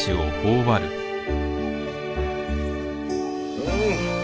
うん！